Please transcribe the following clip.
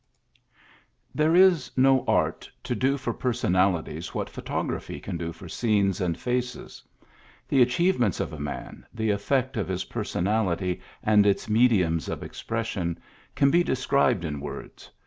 There is no art to do for personalities wliat photography can do for scenes and faces. The achievements of a man, the effect of his personality and its mediums of expression, can be described in words.